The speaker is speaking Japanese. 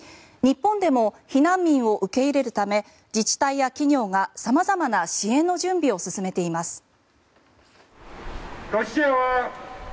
日本でも避難民を受け入れるため自治体や企業がさまざまな支援の準備を進めています。